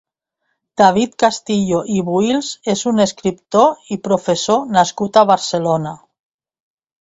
David Castillo i Buïls és un escriptor i professor nascut a Barcelona.